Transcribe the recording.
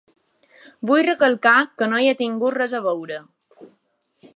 Vull recalcar que no hi he tingut res a veure.